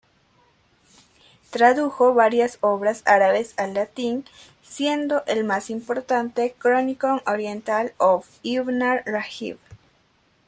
Tradujo varias obras árabes al latín, siendo el más importante "Chronicon Orientale of Ibnar-Rahib".